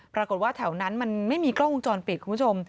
ปรากฏว่าแถวนั้นมันไม่มีกล้องปกรีบคุณผู้ชม